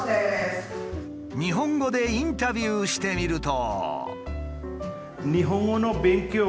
日本語でインタビューしてみると。